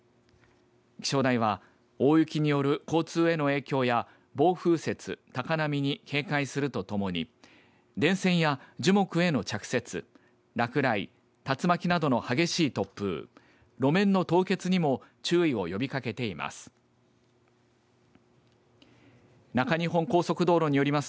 気象台は大雪による交通への影響や暴風雪、高波に警戒するとともに電線や樹木への着雪落雷、竜巻などの激しい突風路面の凍結にも注意を呼びかけています。